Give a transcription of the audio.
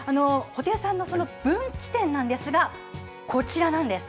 布袋さんのその分岐点なんですが、こちらなんです。